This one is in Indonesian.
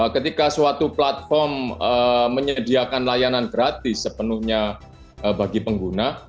ketika suatu platform menyediakan layanan gratis sepenuhnya bagi pengguna